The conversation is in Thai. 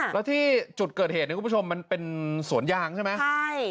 แล้วที่จุดเกิดเหตุเนี่ยคุณผู้ชมมันเป็นสวนยางใช่ไหมใช่